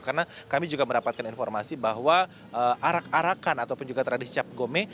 karena kami juga mendapatkan informasi bahwa arak arakan ataupun juga tradisi cap gome